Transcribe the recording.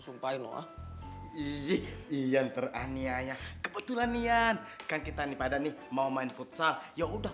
sumpah loh iya teraniaya kebetulan nian kan kita nih pada nih mau main futsal ya udah